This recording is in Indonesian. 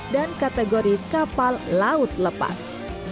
dan kategori kapal laut lepas